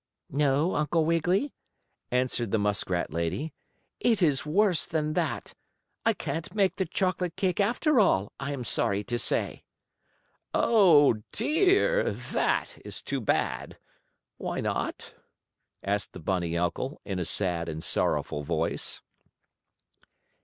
"No, Uncle Wiggily," answered the muskrat lady. "It is worse than that. I can't make the chocolate cake after all, I am sorry to say." "Oh, dear! That is too bad! Why not?" asked the bunny uncle, in a sad and sorrowful voice.